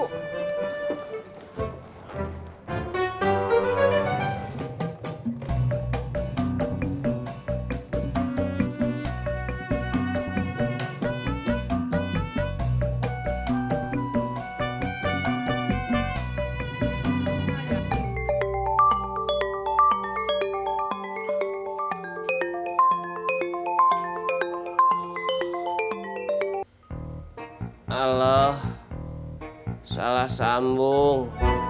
halo salah sambung